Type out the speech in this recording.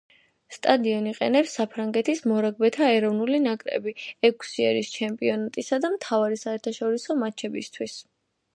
სტადიონ იყენებს საფრანგეთის მორაგბეთა ეროვნული ნაკრები ექვსი ერის ჩემპიონატისა და მთავარი საერთაშორისო მატჩებისათვის.